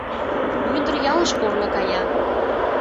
Мӱндыр ялыш корно кая